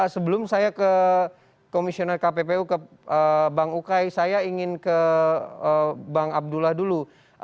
sebelum saya ke komisioner kppu ke bang ukay saya ingin ke bang abdullah dulu